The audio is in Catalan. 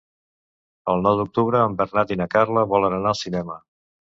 El nou d'octubre en Bernat i na Carla volen anar al cinema.